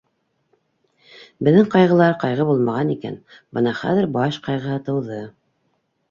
Беҙҙең ҡайғылар ҡайғы булмаған икән, бына хәҙер баш ҡайғыһы тыуҙы.